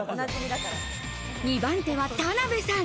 ２番手は田辺さん。